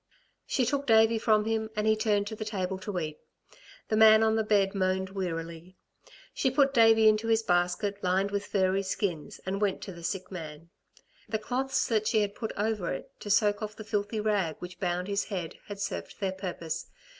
She took Davey from him and he turned to the table to eat. The man on the bed moaned wearily. She put Davey into his basket, lined with furry skins, and went to the sick man. The cloths that she had put over it to soak off the filthy rag which bound his head had served their purpose.